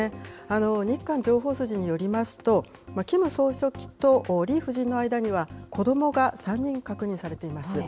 日韓情報筋によりますと、キム総書記とリ夫人の間には、子どもが３人確認されています。